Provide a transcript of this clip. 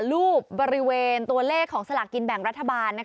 รูปบริเวณตัวเลขของสลากกินแบ่งรัฐบาล